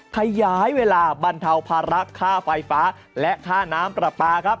ขยายเวลาบรรเทาภาระค่าไฟฟ้าและค่าน้ำปลาปลาครับ